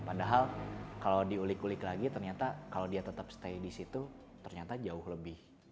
padahal kalau diulik ulik lagi ternyata kalau dia tetap stay di situ ternyata jauh lebih